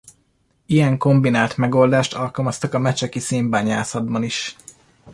Ilyen kombinált megoldást alkalmaztak a mecseki szénbányászatban is.